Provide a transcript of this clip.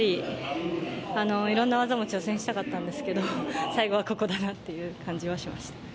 いろんな技も挑戦したかっんですけど、最後ここだなっていう感じはしました。